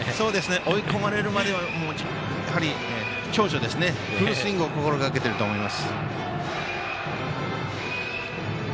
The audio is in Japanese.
追い込まれるまではフルスイングを心がけていると思います。